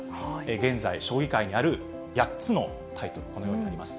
現在、将棋界にある八つのタイトル、このようになります。